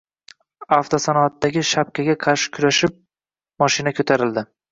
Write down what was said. Avtosanoatdagi “shapkaga qarshi kurashib” moshina koʻtarildi.